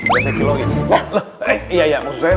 dan saya kilau gitu